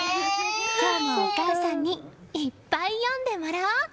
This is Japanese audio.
今日もお母さんにいっぱい読んでもらおう！